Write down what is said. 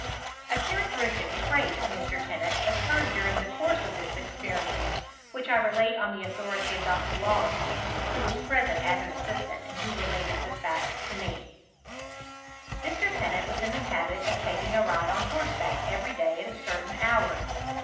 A cfaaractei'istic trait of Mr. Tennant occurred dunng the course of this esperiment, which I relate on the authority of Dr. Wollaston, who was present ta U assistant, and who related the fact tome, Mr. Teti nant was in the habit of taking a ride on horsebaok every day at a certain hour.